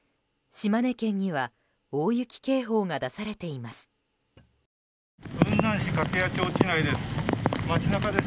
島根県には大雪警報が出されています。